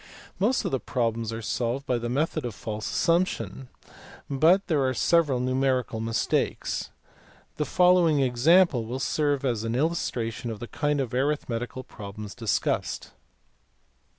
Most of the problems are solved by the method of false assump tion (see above, p. 104), but there are several numerical mis takes. The following example will serve as an illustration of the kind of arithmetical problems discussed.